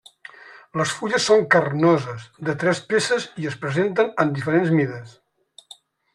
Les fulles són carnoses, de tres peces i es presenten en diferents mides.